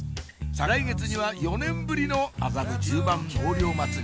再来月には４年ぶりの麻布十番納涼祭り